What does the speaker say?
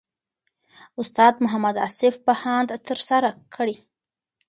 استاد محمد اصف بهاند ترسره کړی.